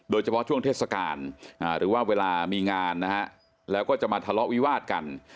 โดยเฉพาะช่วงเทศกาลหรือว่าเวลามีงานนะฮะแล้วก็จะมาทะเลาะวิวาดกัน